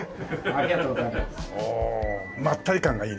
ありがとうございます。